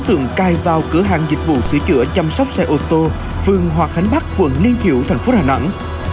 thường cai vào cửa hàng dịch vụ sửa chữa chăm sóc xe ô tô phương hoà khánh bắc quận liên triệu thành phố hà nẵng